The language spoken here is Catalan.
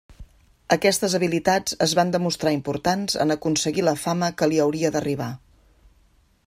Aquestes habilitats es van demostrar importants en aconseguir la fama que li hauria d'arribar.